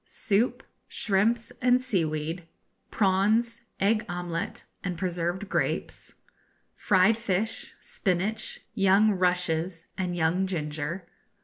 Soup. Shrimps and Seaweed. Prawns, Egg Omelette, and Preserved Grapes. Fried Fish, Spinach, Young Rushes, and Young Ginger.